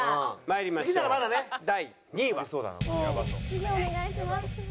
次お願いします。